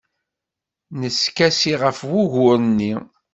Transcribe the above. Neskasi ɣef wugur-nni.